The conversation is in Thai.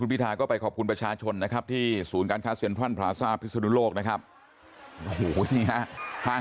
แล้วก็เป็นประธานาธิบดิ์ประเศษภาคคุณพรนานพูดว่า